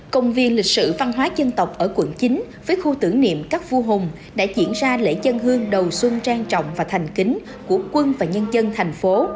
công viên lịch sử văn hóa dân tộc ở quận chín với khu tưởng niệm các vua hùng đã diễn ra lễ dân hương đầu xuân trang trọng và thành kính của quân và nhân dân thành phố